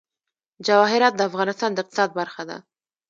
جواهرات د افغانستان د اقتصاد برخه ده.